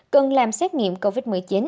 cần làm xét nghiệm covid một mươi chín